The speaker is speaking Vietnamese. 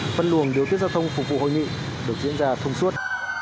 phân luồng điều tiết giao thông phục vụ hội nghị được diễn ra thông suốt